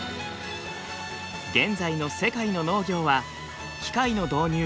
現在の世界の農業は機械の導入